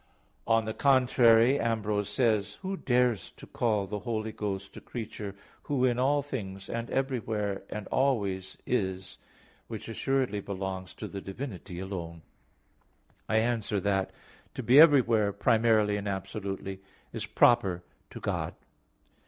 On the contrary, Ambrose says (De Spir. Sanct. i, 7): "Who dares to call the Holy Ghost a creature, Who in all things, and everywhere, and always is, which assuredly belongs to the divinity alone?" I answer that, To be everywhere primarily and absolutely, is proper to God.